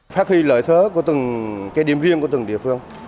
phát huy lợi thế của từng điểm riêng của từng địa phương